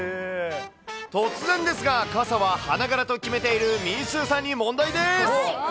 突然ですが、傘は花柄と決めているみーすーさんに問題です。